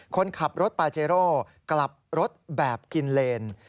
คนขับรถปาเจโร่กลับรถแบบกินเลน